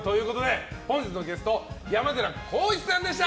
本日のゲストは山寺宏一さんでした。